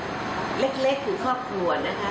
สามารถใช้ได้ตั้งแต่เล็กคือครอบครัวนะคะ